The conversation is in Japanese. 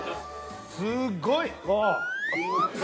すっごい！